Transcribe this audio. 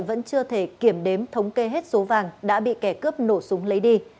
vẫn chưa thể kiểm đếm thống kê hết số vàng đã bị kẻ cướp nổ súng lấy đi